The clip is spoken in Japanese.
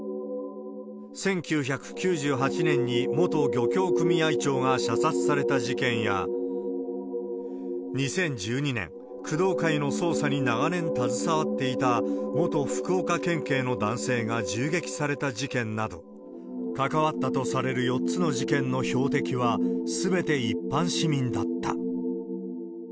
１９９８年に元漁協組合長が射殺された事件や、２０１２年、工藤会の捜査に長年携わっていた元福岡県警の男性が銃撃された事件など、関わったとされる４つの事件の標的はすべて一般市民だった。